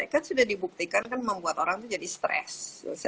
kan sudah dibuktikan kan membuat orang jadi stress